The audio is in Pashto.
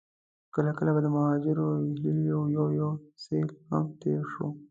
کله کله به د مهاجرو هيليو يو يو سيل هم تېر شو.